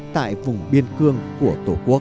tại vùng biên cương của tổ quốc